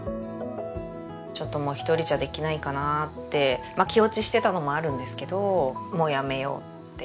ちょっともう一人じゃできないかなって気落ちしてたのもあるんですけど。